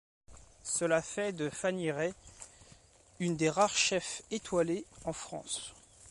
Cela fait de Fanny Rey une des rares femmes chef étoilées en France.